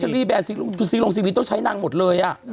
จริงแบรนด์แบรนด์ซีโรงซีรีส์ต้องใช้นางหมดเลย